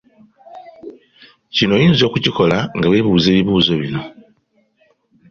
Kino oyinza okukikola nga weebuuza ebibuuzo bino.